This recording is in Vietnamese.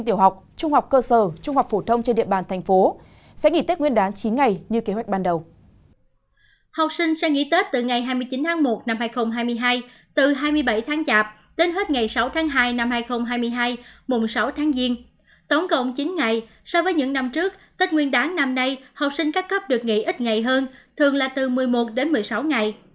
tổng cộng chín ngày so với những năm trước tết nguyên đán năm nay học sinh các cấp được nghỉ ít ngày hơn thường là từ một mươi một đến một mươi sáu ngày